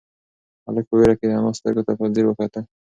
هلک په وېره کې د انا سترگو ته په ځير وکتل.